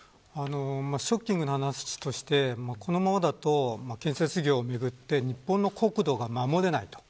ショッキングな話としてこのままだと建設業をめぐって日本の国土が守れない。